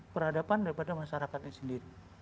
peradaban daripada masyarakatnya sendiri